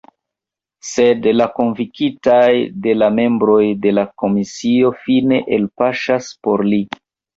Sed la konvinkitaj de la membroj de la komisio fine elpaŝas por li.